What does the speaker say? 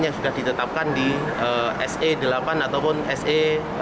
yang sudah ditetapkan di se delapan ataupun se tiga belas